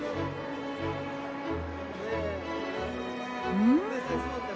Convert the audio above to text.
うん？